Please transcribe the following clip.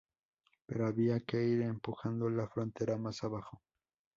Pero había que ir empujando la frontera más abajo.